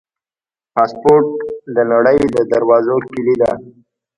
پاسپورټ د نړۍ د دروازو کلي ده.